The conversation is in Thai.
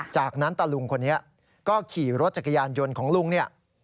จากนั้นตะลุงคนนี้ก็ขี่รถจักรยานยนต์ของลุงเนี่ย